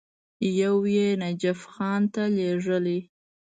یو یې نجف خان ته لېږلی.